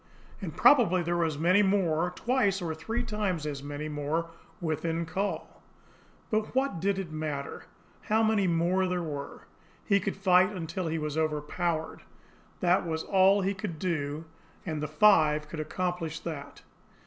And probably there were as many more, twice or three times as many more within call. But what did it matter how many more there were! He could fight until he was overpowered, that was all he could do, and the five could accomplish that.